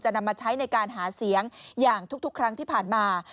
นำมาใช้ในการหาเสียงอย่างทุกครั้งที่ผ่านมา